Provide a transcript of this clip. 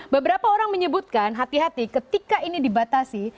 beberapa orang menyebutkan hati hati ketika ini dibatasi